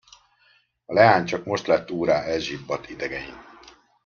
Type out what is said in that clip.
A leány csak most lett úrrá elzsibbadt idegein.